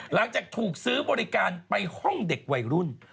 หลังจากถูกซื้อบริการไปห้องเด็กวัยรุ่น